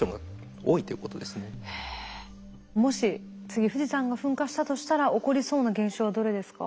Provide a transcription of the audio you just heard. もし次富士山が噴火したとしたら起こりそうな現象はどれですか？